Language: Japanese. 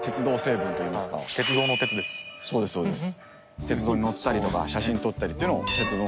そうですそうです。